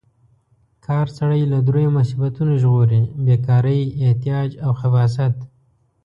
کار سړی له دریو مصیبتونو ژغوري: بې کارۍ، احتیاج او خباثت.